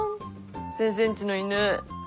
先生んちの犬。